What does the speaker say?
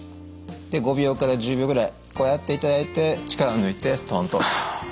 で５秒から１０秒ぐらいこうやっていただいて力を抜いてストンと下ろす。